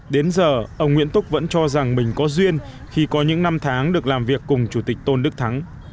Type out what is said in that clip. đến giờ ông nguyễn túc vẫn cho rằng mình có duyên khi có những năm tháng được làm việc cùng chủ tịch tôn đức thắng